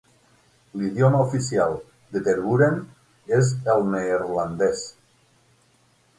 L'idioma oficial de Tervuren és el neerlandès.